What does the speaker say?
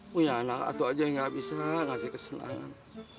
punya anak atau aja yang gak bisa ngasih kesenangan